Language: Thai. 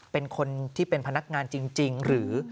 เป็นคนที่เป็นพนักงานจริงหรือ